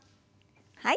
はい。